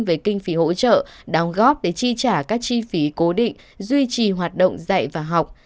về kinh phí hỗ trợ đóng góp để chi trả các chi phí cố định duy trì hoạt động dạy và học